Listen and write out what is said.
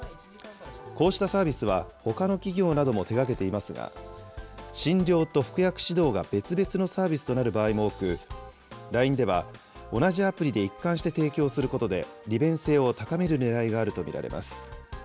こうしたサービスは、ほかの企業なども手がけていますが、診療と服薬指導が別々のサービスとなる場合も多く、ＬＩＮＥでは、同じアプリで一貫して提供することで、利便性を高めるねらいがあると見られます。